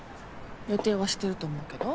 予定はしてると思うけど。